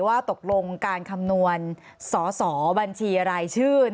ว่าตกลงการคำนวณสอสอบัญชีรายชื่อ